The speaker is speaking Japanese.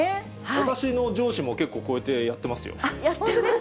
私の上司も結構こうやってややってますか？